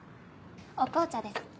お紅茶です。